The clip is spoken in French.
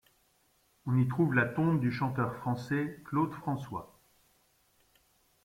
On y trouve la tombe du chanteur français Claude François.